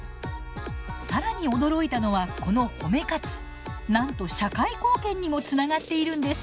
更に驚いたのはこの褒め活なんと社会貢献にもつながっているんです。